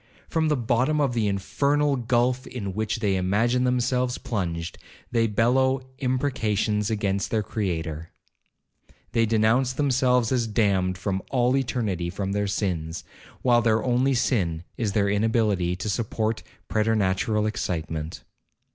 From the bottom of the infernal gulph in which they imagine themselves plunged, they bellow imprecations against their Creator—they denounce themselves as damned from all eternity for their sins, while their only sin is their inability to support preternatural excitement.